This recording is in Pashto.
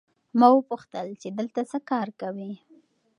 ما وپوښتل چې دلته څه کار کوې؟